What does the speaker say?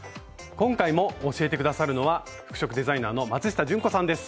今回も教えて下さるのは服飾デザイナーの松下純子さんです。